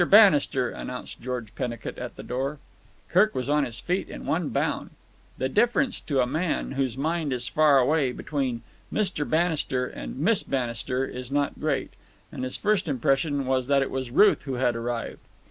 Bannister," announced George Pennicut at the door. Kirk was on his feet in one bound. The difference, to a man whose mind is far away, between "Mr. Bannister" and "Miss Bannister" is not great, and his first impression was that it was Ruth who had arrived.